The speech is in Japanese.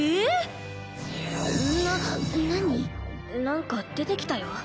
なんか出てきたよ。